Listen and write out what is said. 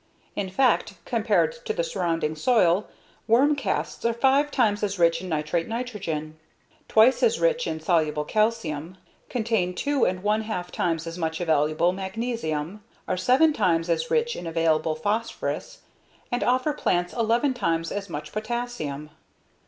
In fact, compared to the surrounding soil, worm casts are five times as rich in nitrate nitrogen; twice as rich in soluble calcium; contain two and one half times as much available magnesium; are seven times as rich in available phosphorus, and offer plants eleven times as much potassium.